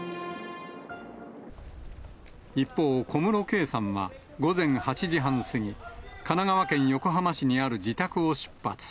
一方、小室圭さんは午前８時半過ぎ、神奈川県横浜市にある自宅を出発。